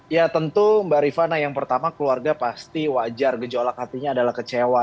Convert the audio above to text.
ya tentu mbak rifana yang pertama keluarga pasti wajar gejolak hatinya adalah kecewa